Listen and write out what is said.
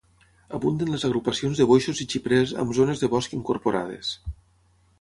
Abunden les agrupacions de boixos i xiprers amb zones de bosc incorporades.